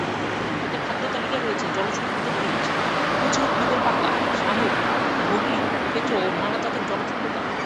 এদের খাদ্যতালিকায় রয়েছে জলজ উদ্ভিদের বীজ, কচি উদ্ভিদের পাতা, শামুক, গুগলি, কেঁচো ও নানা জাতের জলজ পোকা।